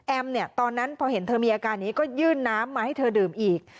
ตอนนั้นพอเห็นเธอมีอาการนี้ก็ยื่นน้ำมาให้เธอดื่มอีก